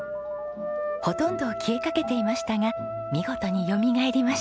ほとんど消えかけていましたが見事によみがえりました。